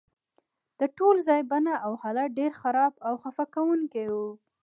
د ټول ځای بڼه او حالت ډیر خراب او خفه کونکی و